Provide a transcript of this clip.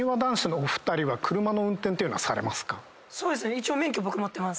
一応免許僕持ってます。